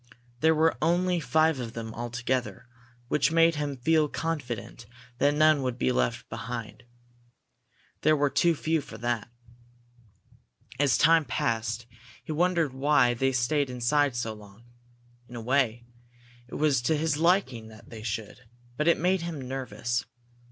There were only five of them altogether, which made him feel confident that none would be left behind. There were too few for that. As time passed, he wondered why they stayed inside so long. In a way, it was to his liking that they should, but it made him nervous.